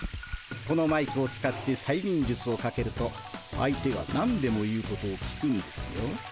このマイクを使ってさいみんじゅつをかけると相手が何でも言うことを聞くんですよ。